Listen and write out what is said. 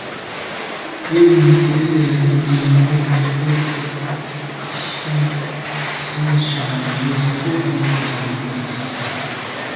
You must utilize in-text citations to support your ideas.